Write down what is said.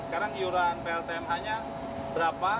sekarang iuran pltma nya berapa